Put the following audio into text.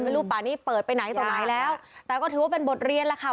ลูกป่านี้เปิดไปไหนต่อไหนแล้วแต่ก็ถือว่าเป็นบทเรียนแล้วค่ะ